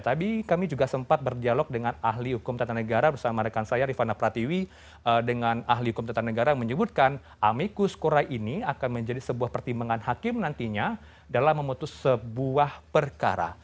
tadi kami juga sempat berdialog dengan ahli hukum tata negara bersama rekan saya rifana pratiwi dengan ahli hukum tata negara yang menyebutkan amikus kurai ini akan menjadi sebuah pertimbangan hakim nantinya dalam memutus sebuah perkara